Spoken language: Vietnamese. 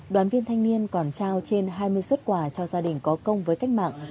đoàn viên thanh niên còn trao trên hai mươi xuất quà cho gia đình có công với cách mạng